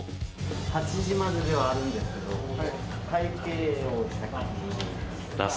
８時までではあるんですけど会計をお願いします。